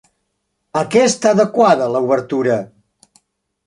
A què està adequada l'obertura?